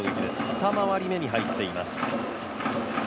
二回り目に入っています。